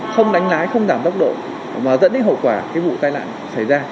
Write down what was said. không đánh lái không giảm tốc độ mà dẫn đến hậu quả cái vụ tai nạn xảy ra